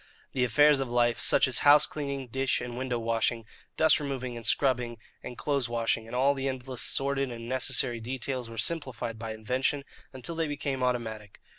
The affairs of life, such as house cleaning, dish and window washing, dust removing, and scrubbing and clothes washing, and all the endless sordid and necessary details, were simplified by invention until they became automatic.